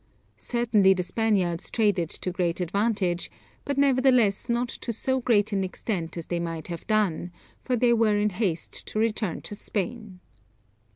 Certainly the Spaniards traded to great advantage, but nevertheless not to so great an extent as they might have done, for they were in haste to return to Spain.